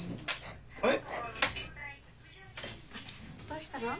どうしたの？